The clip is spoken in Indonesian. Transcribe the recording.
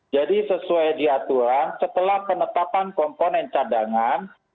jadi sesuai diaturan setelah penetapan komponen cadangan